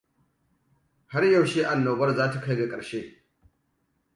Har yaushe annobar zata kai ga karshe?